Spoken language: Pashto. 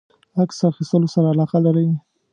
عکس اخیستلو سره علاقه لری؟